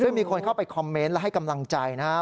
ซึ่งมีคนเข้าไปคอมเมนต์และให้กำลังใจนะครับ